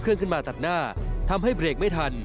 ขึ้นมาตัดหน้าทำให้เบรกไม่ทัน